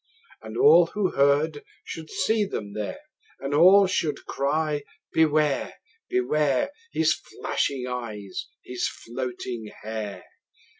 And all who heard should see them there, And all should cry, Beware! Beware! His flashing eyes, his floating hair!